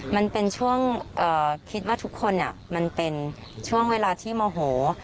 มันเป็นช่วงคิดว่าทุกคนมันเป็นช่วงเวลาที่โมโห